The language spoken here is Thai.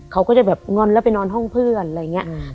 เขาก็จะแบบงอนแล้วไปนอนห้องเพื่อนอะไรอย่างนี้